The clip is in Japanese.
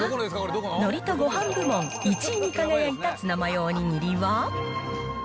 のりとごはん部門１位に輝いたツナマヨお握りは。